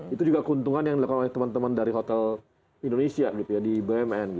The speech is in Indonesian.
itu juga keuntungan yang dilakukan oleh teman teman dari hotel indonesia di bumn